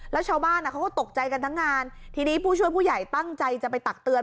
แล้วชาวบ้านเขาก็ตกใจกันทั้งงานทีนี้ผู้ช่วยผู้ใหญ่ตั้งใจจะไปตักเตือน